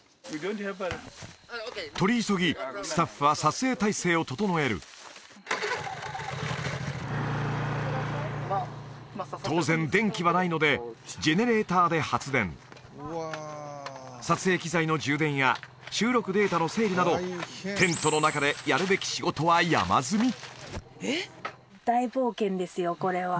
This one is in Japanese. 取り急ぎスタッフは撮影態勢を整える当然電気はないのでジェネレーターで発電撮影機材の充電や収録データの整理などテントの中でやるべき仕事は山積みあ